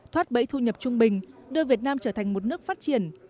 thoát bẫy thu nhập trung bình đưa việt nam trở thành một nước phát triển